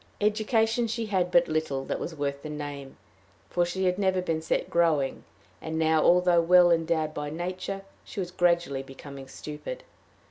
Education she had had but little that was worth the name, for she had never been set growing; and now, although well endowed by nature, she was gradually becoming stupid.